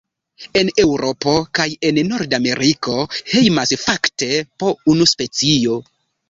En Eŭropo kaj en Nordameriko hejmas fakte po unu specio.